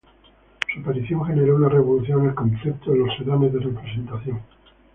Su aparición generó una revolución en el concepto de los sedanes de representación.